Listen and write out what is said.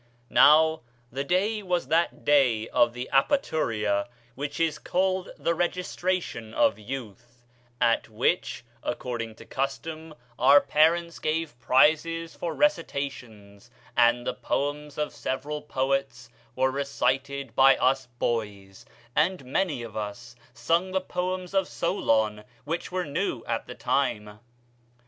Now the day was that day of the Apaturia which is called the registration of youth; at which, according to custom, our parents gave prizes for recitations, and the poems of several poets were recited by us boys, and many of us sung the poems of Solon, which were new at the time.